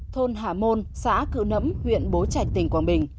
thôn hà môn xã cựu nấm huyện bố trạch tỉnh quảng bình